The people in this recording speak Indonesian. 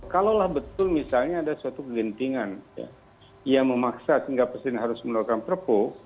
kalaulah betul misalnya ada suatu kegentingan yang memaksa sehingga presiden harus melakukan perpu